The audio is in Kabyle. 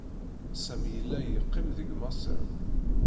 Sami yella yeqqim deg Maṣer.